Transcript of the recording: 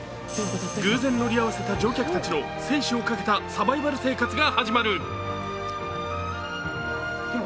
偶然乗り合わせた乗客たちの生死を賭けたサバイバル生活が始まる。